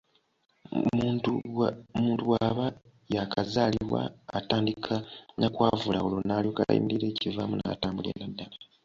Muntu bw’aba yaakazaalibwa atandika na kwavula olwo n'alyoka ayimirira ekivaamu n'atambulira ddala.